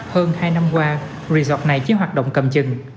hơn hai năm qua resort này chỉ hoạt động cầm chừng